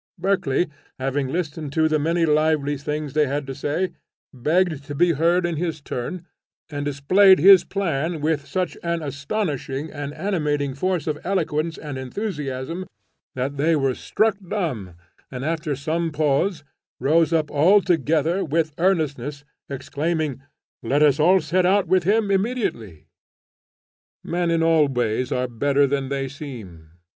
Berkeley, having listened to the many lively things they had to say, begged to be heard in his turn, and displayed his plan with such an astonishing and animating force of eloquence and enthusiasm, that they were struck dumb, and, after some pause, rose up all together with earnestness, exclaiming, 'Let us set out with him immediately.'" Men in all ways are better than they seem.